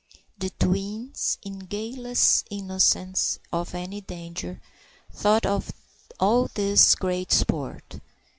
The twins, in guileless innocence of any danger, thought all this great sport.